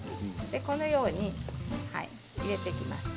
このように入れていきます。